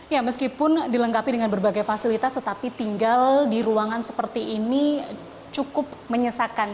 ya meskipun dilengkapi dengan berbagai fasilitas tetapi tinggal di ruangan seperti ini cukup menyesakan